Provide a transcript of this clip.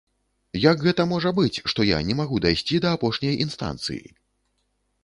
Як гэта можа быць, што я не магу дайсці да апошняй інстанцыі?